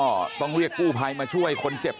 แล้วป้าไปติดหัวมันเมื่อกี้แล้วป้าไปติดหัวมันเมื่อกี้